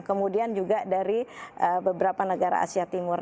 kemudian juga dari beberapa negara asia timur